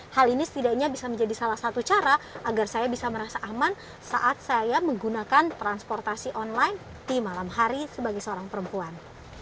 hal ini setidaknya bisa menjadi salah satu cara agar saya bisa merasa aman saat saya menggunakan transportasi online di malam hari sebagai seorang perempuan